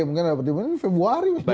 mungkin ada pertimbangan februari